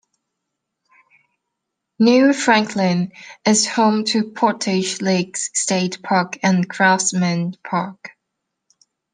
New Franklin is home to Portage Lakes State Park and Craftsmen Park.